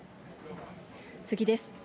次です。